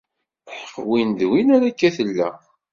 Aḥeqq win d win, ar akka i tella!